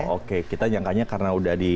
oke kita nyangkanya karena udah di